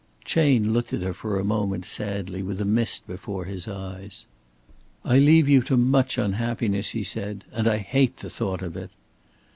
Chayne looked at her for a moment sadly, with a mist before his eyes. "I leave you to much unhappiness," he said, "and I hate the thought of it."